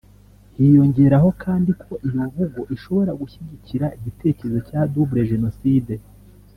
Hiyongeraho kandi ko iyo mvugo ishobora gushyigikira igitekerezo cya double genocide